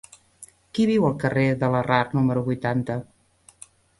Qui viu al carrer de Larrard número vuitanta?